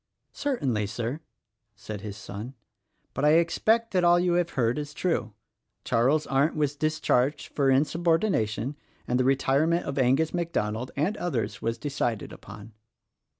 "Certainly, Sir," said his son, "but I expect that all you have heard is true. Charles Arndt was discharged for insubordination, and the retirement of Angus MacDonald, and others, was decided upon."